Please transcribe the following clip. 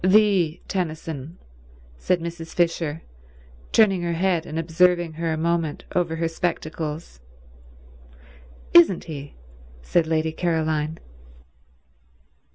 "The Tennyson," said Mrs. Fisher, turning her head and observing her a moment over her spectacles. "Isn't he?" said Lady Caroline.